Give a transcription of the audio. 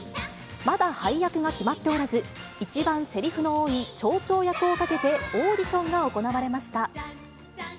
まだ配役が決まっておらず、一番せりふの多い町長役をかけて、オーディションが行われました。